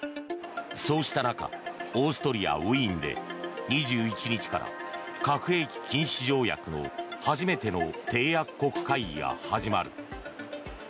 そうした中オーストリア・ウィーンで２１日から核兵器禁止条約の初めての締約国会議が始まる。